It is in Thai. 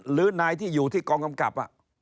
หรือนายที่อยู่ที่กองกำกับ